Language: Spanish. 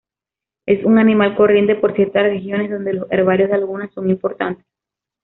Es un animal corriente por ciertas regiones donde los herbarios de lagunas son importantes.